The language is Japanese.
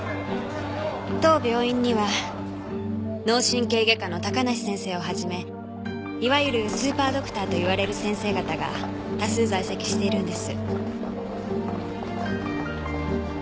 当病院には脳神経外科の高梨先生を始めいわゆるスーパードクターと言われる先生方が多数在籍しているんです。